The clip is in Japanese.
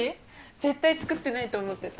絶対作ってないと思ってた！